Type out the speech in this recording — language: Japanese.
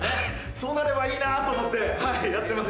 そうなればいいなと思ってやってます。